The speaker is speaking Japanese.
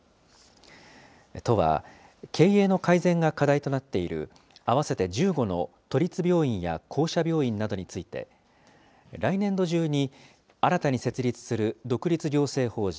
都は、経営の改善が課題となっている、合わせて１５の都立病院や公社病院などについて、来年度中に、新たに設立する独立行政法人